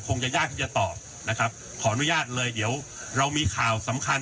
จะยากที่จะตอบนะครับขออนุญาตเลยเดี๋ยวเรามีข่าวสำคัญ